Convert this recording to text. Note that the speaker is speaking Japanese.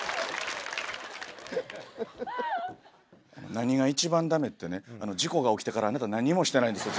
何が一番駄目ってね事故が起きてからあなた何にもしてないんですよ